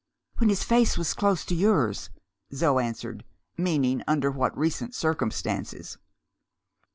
"When his face was close to yours," Zo answered meaning, under what recent circumstances.